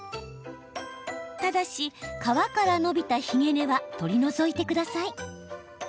ただし、皮から伸びたひげ根は取り除いてください。